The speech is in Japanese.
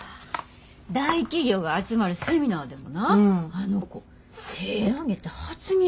大企業が集まるセミナーでもなあの子手ぇ挙げて発言しやってん。